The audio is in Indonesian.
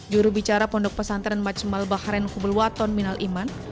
jurubicara pondok pesantren majmal baharen hubelwaton minal iman